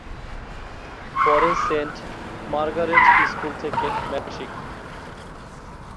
পরে Saint Margaret School থেকে matric.